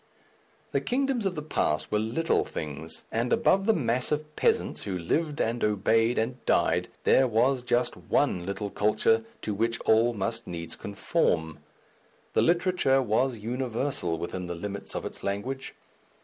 The kingdoms of the past were little things, and above the mass of peasants who lived and obeyed and died, there was just one little culture to which all must needs conform. Literature was universal within the limits of its language.